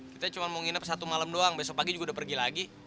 kita cuma mau nginep satu malam doang besok pagi juga udah pergi lagi